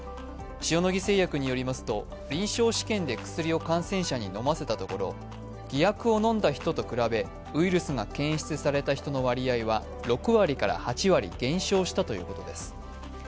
塩野義製薬によりますと臨床試験で薬を感染者に飲ませたところ偽薬を飲んだ人と比べウイルスが検出された人の割合は６割から８割減少したということです。